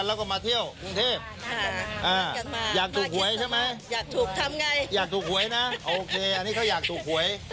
น้อยลง